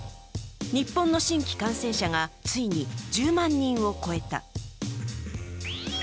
日本の新規感染者がついに１０万人を超えた。